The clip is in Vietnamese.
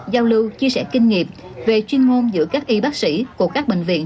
giao lưu chia sẻ kinh nghiệm về chuyên môn giữa các y bác sĩ của các bệnh viện